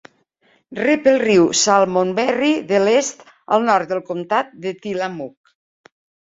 Rep el riu Salmonberry de l'est al nord del comtat de Tillamook.